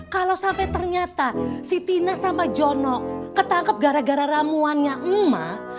kalau sampai ternyata sitina sama jono ketangkep gara gara ramuannya emak